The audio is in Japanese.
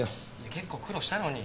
結構苦労したのに。